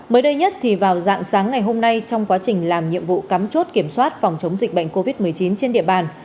mới đây nhất vào dạng sáng ngày hôm nay trong quá trình làm nhiệm vụ cắm chốt kiểm soát phòng chống dịch bệnh covid một mươi chín trên địa bàn